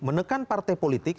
menekan partai politik